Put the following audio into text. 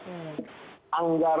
sebenarnya yang agak agak agar